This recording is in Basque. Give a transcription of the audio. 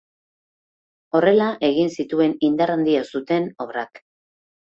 Horrela egin zituen indar handia zuten obrak.